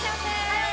はい！